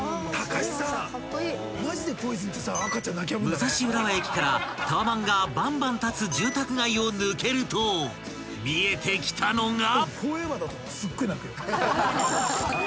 ［武蔵浦和駅からタワマンがばんばん立つ住宅街を抜けると見えてきたのが］